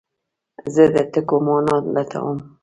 زه د ټکو مانا لټوم.